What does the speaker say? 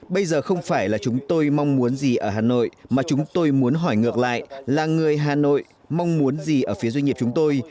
bây giờ không phải là chúng tôi mong muốn gì ở hà nội mà chúng tôi muốn hỏi ngược lại là người hà nội mong muốn gì ở phía doanh nghiệp chúng tôi